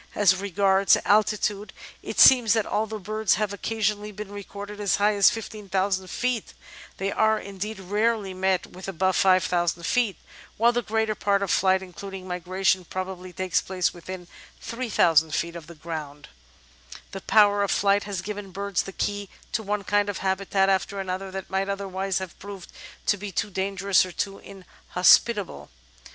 As regards altitude, it seems that although birds have occa sionally been recorded as high as 15,000 feet, they are indeed 406 The Outline of Sdenoe rarely met with above 5,000 feet, while the greater part of flight, including migration, probably takes place within 3,000 feet of the ground. The power of flight has given birds the key to one kind of habitat after another that might otherwise have proved to be too dangerous or too inhospitable.